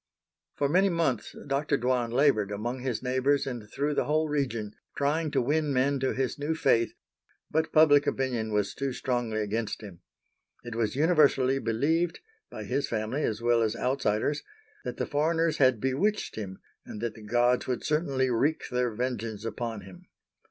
For many months Dr. Dwan labored among his neighbors and through the whole region trying to win men to his new faith, but public opinion was too strongly against him. It was universally believed,—by his family as well as outsiders—that the foreigners had bewitched him and that the gods would certainly wreak their vengeance upon him.